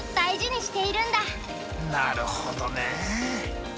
なるほどね。